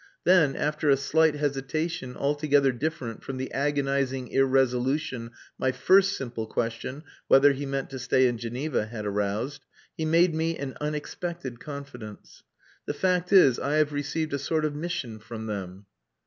Then, after a slight hesitation, altogether different from the agonizing irresolution my first simple question "whether he meant to stay in Geneva" had aroused, he made me an unexpected confidence "The fact is, I have received a sort of mission from them."